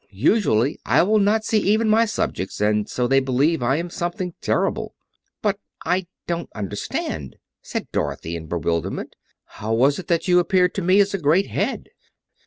Usually I will not see even my subjects, and so they believe I am something terrible." "But, I don't understand," said Dorothy, in bewilderment. "How was it that you appeared to me as a great Head?"